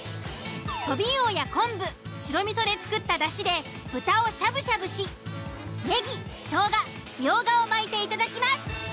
トビウオや昆布白味噌で作っただしで豚をしゃぶしゃぶしネギ・ショウガ・ミョウガを巻いていただきます。